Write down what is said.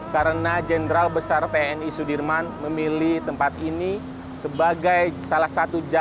karena jenderal besar tni sudirman memilih tempat ini sebagai salah satu jalur gerilyanya